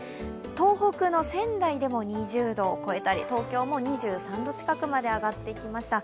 東北の仙台でも２０度を超えたり、東京も２３度近くまで上がっていきました。